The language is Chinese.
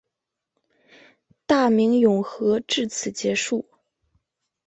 大明永和至此结束。